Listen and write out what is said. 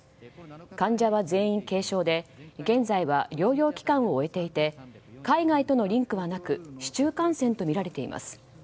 患者は全員軽症で現在は療養期間を終えていて海外とのリンクはなく市中感染とみられています。